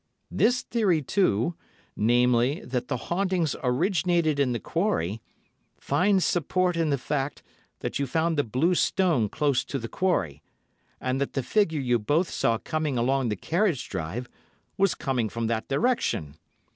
This theory, too, namely, that the hauntings originated in the quarry, finds support in the fact that you found the blue stone close to the quarry, and that the figure you both saw coming along the carriage drive was coming from that direction.